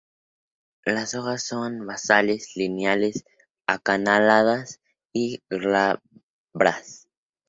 Las hojas son basales, lineales, acanaladas y glabras.